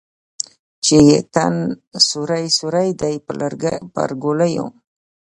چې یې تن سوری سوری دی پر ګولیو